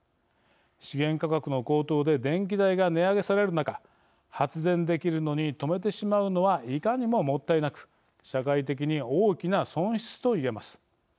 資源価格の高騰で電気代が値上げされる中発電できるのに止めてしまうのはいかにももったいなく社会的に大きな損失と言えます。